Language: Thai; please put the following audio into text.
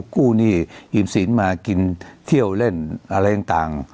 กู้หนี้อิ่มศิลป์มากินเที่ยวเล่นอะไรต่าง